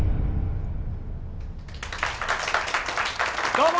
どうも！